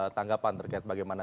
tanggapan terkait bagaimana